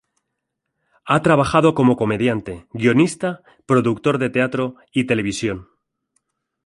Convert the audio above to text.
Ha trabajado como comediante, guionista, productor de teatro y televisión.